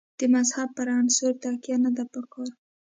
د مذهب پر عنصر تکیه نه ده په کار.